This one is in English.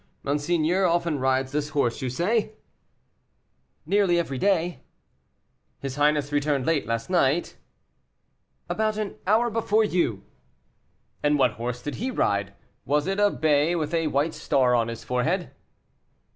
Monseigneur often rides this horse, you say?" "Nearly every day." "His highness returned late last night?" "About an hour before you." "And what horse did he ride? was it a bay with a white star on his forehead?"